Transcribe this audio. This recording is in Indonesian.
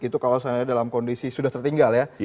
itu kalau seandainya dalam kondisi sudah tertinggal ya